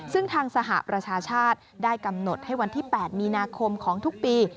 ซึ่งทางสหประชาชาติได้กำหนดให้วันที่๘มีนาคมของทุกปี